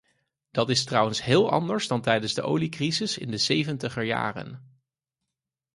Dat is trouwens heel anders dan tijdens de oliecrisis in de zeventiger jaren.